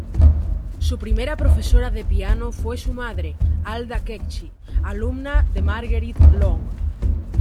Su primera profesora de piano fue su madre, Alda Cecchi, alumna de Marguerite Long.